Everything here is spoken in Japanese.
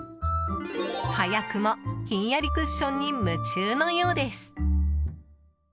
早くも、ひんやりクッションに夢中のようです。